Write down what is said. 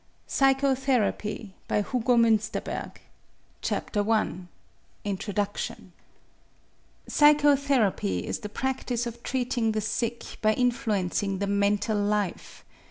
PSYCHOTHERAPY AND THE COMMUNITY 370 I INTRODUCTION Psychotherapy is the practice of treating the sick by influencing the mental life.